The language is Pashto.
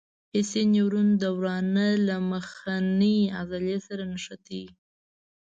حسي نیورون د ورانه له مخنۍ عضلې سره نښتي.